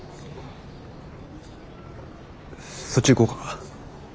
そっち行こうか？